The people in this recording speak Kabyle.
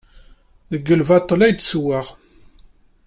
Deg lbaṭel ay d-ssewweɣ?